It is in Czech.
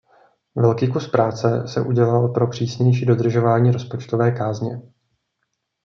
Velký kus práce se udělal pro přísnější dodržování rozpočtové kázně.